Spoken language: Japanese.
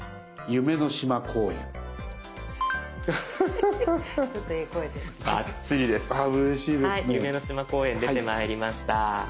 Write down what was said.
夢の島公園出てまいりました。